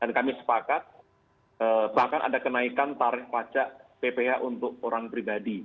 dan kami sepakat bahkan ada kenaikan tarikh pajak pph untuk orang pribadi